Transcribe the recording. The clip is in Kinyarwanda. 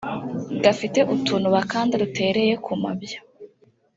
Gafite utuntu bakanda dutereye ku mabya